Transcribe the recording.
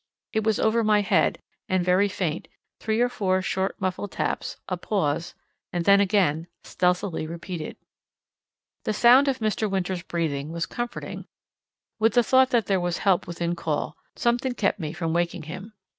It was over my head, and very faint—three or four short muffled taps, a pause, and then again, stealthily repeated. The sound of Mr. Winters' breathing was comforting; with the thought that there was help within call, something kept me from waking him.